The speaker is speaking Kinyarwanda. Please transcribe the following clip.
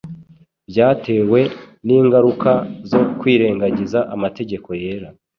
byatewe n’ingaruka zo kwirengagiza amategeko yera.